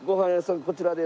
こちらです。